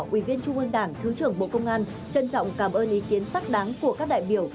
ủy viên trung ương đảng thứ trưởng bộ công an trân trọng cảm ơn ý kiến sắc đáng của các đại biểu